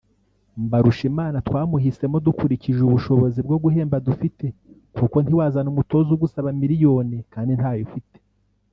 Mbarushimana twamuhisemo dukurikije ubushobozi bwo guhemba dufite kuko ntiwazana umutoza ugusaba miliyoni kandi ntayo ufite